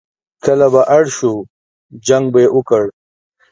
کله به اړ شو، جنګ به یې وکړ.